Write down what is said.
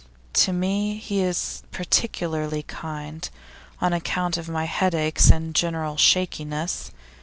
To me he is particularly kind, on account of my headaches and general shakiness.